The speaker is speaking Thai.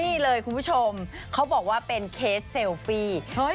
นี่เลยคุณผู้ชมเขาบอกว่าเป็นเคสเซลฟี่